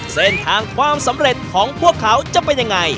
ความสำเร็จของพวกเขาจะเป็นยังไง